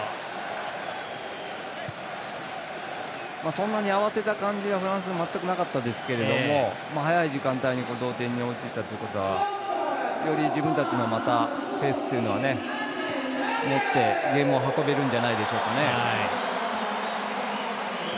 そんなに慌てた感じはフランス全くなかったですけど早い時間帯に同点に追いついたということはより自分たちのペースを持ってゲームを運べるんじゃないでしょうかね。